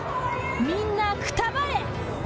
みんなくたばれ！